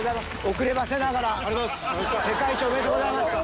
遅ればせながら世界一おめでとうございます。